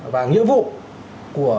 và nghĩa vụ của